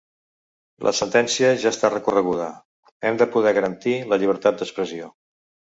La sentència ja ha està recorreguda: “Hem de poder garantir la llibertat d’expressió”.